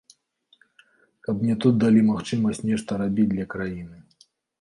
Каб мне тут далі магчымасць нешта рабіць для краіны.